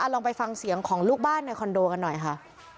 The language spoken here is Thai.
ลองไปฟังเสียงของลูกบ้านในคอนโดกันหน่อยค่ะ